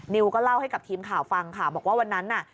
นิวก็เล่าให้กับทีมข่าวฟังค่ะบอกว่าวันนั้นน่ะ